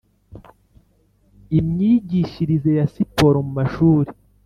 Imyigishirize ya siporo mu mashuli